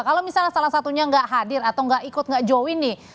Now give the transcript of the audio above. kalau misalnya salah satunya nggak hadir atau nggak ikut nggak join nih